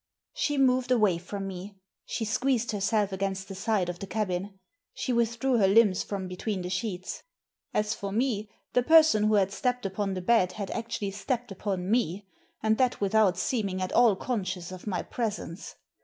She moved away from me. She squeezed herself against the side of the cabin. She withdrew her limbs from between the sheets. As for me, the person who had stepped upon the bed had actually stepped upon me, and that without seeming at all conscious of my presence.